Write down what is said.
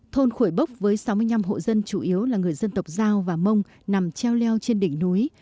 thôn khuổi bốc với sáu mươi năm hộ dân chủ yếu là người dân tộc giao và mông nằm treo leo trên đỉnh núi